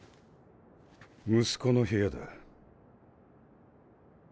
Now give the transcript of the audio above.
息子の部屋だ。